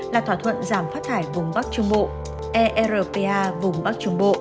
là thỏa thuận giảm phát thải vùng bắc trung bộ erpa vùng bắc trung bộ